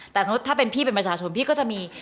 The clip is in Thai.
แต่สมมุติถ้าเป็นพี่เป็นประชาชนพี่ก็จะมี